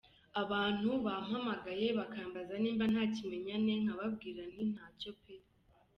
Abantu bampamagaye bakambaza nimba nta kimenyane nkababwira nti ntacyo pee.